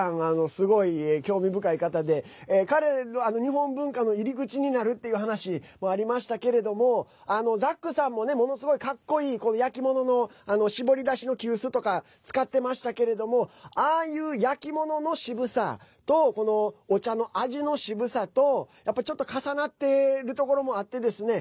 すごい興味深い方で彼の日本文化の入り口になるという話もありましたけれどもザックさんもものすごいかっこいい焼き物のしぼり出しの急須とか使ってましたけれどもああいう、焼き物の渋さとこのお茶の味の渋さとちょっと重なっているところもあってですね